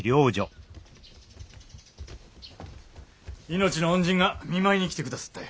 命の恩人が見舞いに来てくだすったよ。